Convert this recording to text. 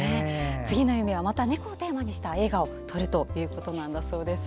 次の夢はまた猫をテーマにした映画を撮ることだそうです。